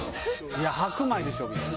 いや白米でしょ！みたいな。